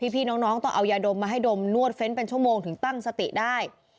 พี่น้องต้องเอายาดมมาให้ดมนวดเฟ้นเป็นชั่วโมงถึงตั้งสติได้